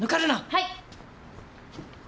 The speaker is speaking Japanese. はい！